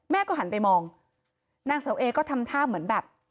หันไปมองนางเสาเอก็ทำท่าเหมือนแบบ